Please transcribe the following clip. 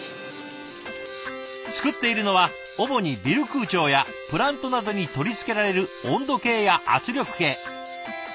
作っているのは主にビル空調やプラントなどに取り付けられる温度計や圧力計。